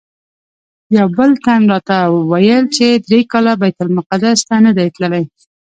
یو بل تن راته ویل چې درې کاله بیت المقدس ته نه دی تللی.